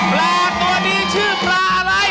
ปลาตัวนี้ชื่อปลาอะไร